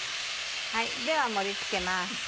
では盛り付けます。